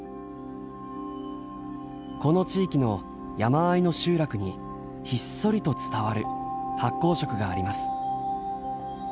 この地域の山あいの集落にひっそりと伝わる発酵食があります。